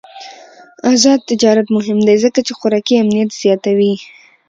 آزاد تجارت مهم دی ځکه چې خوراکي امنیت زیاتوي.